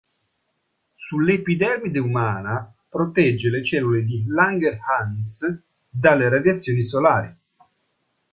Sull'epidermide umana protegge le cellule di Langerhans dalle radiazioni solari.